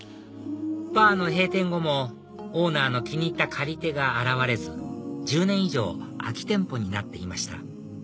バーの閉店後もオーナーの気に入った借り手が現れず１０年以上空き店舗になっていました